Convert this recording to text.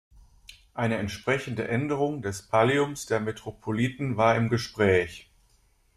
Eine entsprechende Änderung des Palliums der Metropoliten war im Gespräch.